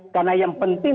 karena yang penting